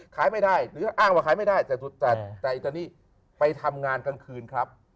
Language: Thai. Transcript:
ตอนนี้ไปทำงานกลางคืนครับ